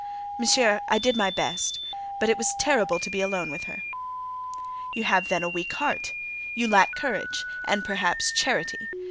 "Monsieur, I did my best; but it was terrible to be alone with her!" "You have, then, a weak heart! You lack courage; and, perhaps, charity.